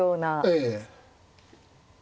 ええ。